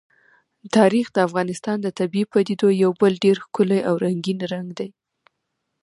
تاریخ د افغانستان د طبیعي پدیدو یو بل ډېر ښکلی او رنګین رنګ دی.